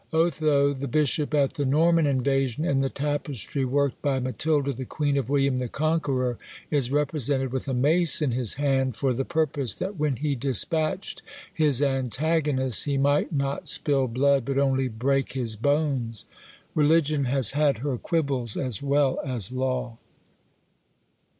Otho, the bishop at the Norman invasion, in the tapestry worked by Matilda the queen of William the Conqueror, is represented with a mace in his hand, for the purpose that when he despatched his antagonist he might not spill blood, but only break his bones! Religion has had her quibbles as well as law.